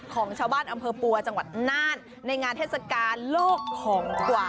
ของชาวบ้านอำเภอปัวจังหวัดน่านในงานเทศกาลโลกของกว่า